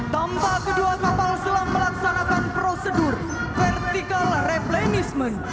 tanpa kedua kapal selam melaksanakan prosedur vertikal replanisme